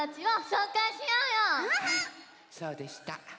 そうでした。